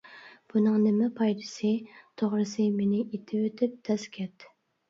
بۇنىڭ نېمە پايدىسى؟ توغرىسى مېنى ئېتىۋېتىپ تەز كەت.